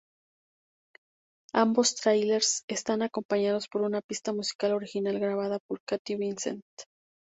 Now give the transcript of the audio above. Ambos trailers están acompañados por una pista musical original grabada por Katie Vincent.